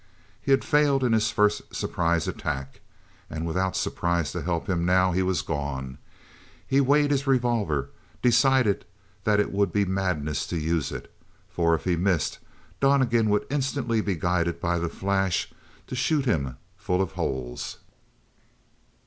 He had failed in his first surprise attack, and without surprise to help him now he was gone. He weighed his revolver, decided that it would be madness to use it, for if he missed, Donnegan would instantly be guided by the flash to shoot him full of holes.